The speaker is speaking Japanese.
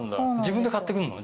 自分で買ってくるの？